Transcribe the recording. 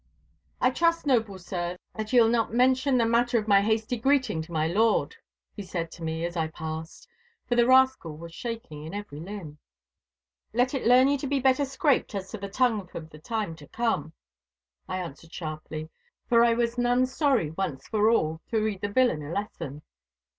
'I trust, noble sir, that ye will not mention the matter of my hasty greeting to my lord,' he said to me as I passed, for the rascal was shaking in every limb. 'Let it learn you to be better scraped as to the tongue for the time to come,' I answered sharply, for I was none sorry once for all to read the villain a lesson.